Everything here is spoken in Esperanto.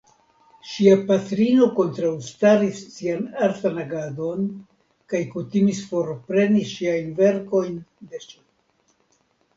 Ŝia patrino kontraŭstaris sian artan agadon kaj kutimis forpreni ŝiajn verkojn de ŝi.